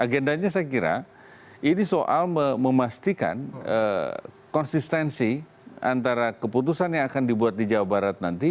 agendanya saya kira ini soal memastikan konsistensi antara keputusan yang akan dibuat di jawa barat nanti